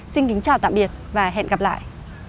xin kính chào tạm biệt và hẹn gặp lại